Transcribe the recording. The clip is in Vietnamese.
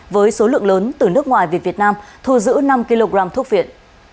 với số lượng lớn từ nước ngoài về việt nam thu giữ năm kg thuốc viện